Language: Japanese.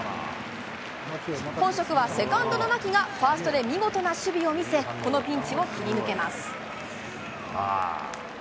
本職はセカンドの牧が、ファーストで見事な守備を見せ、このピンチを切り抜けます。